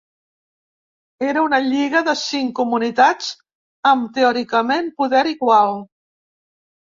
Era una lliga de cinc comunitats amb teòricament poder igual.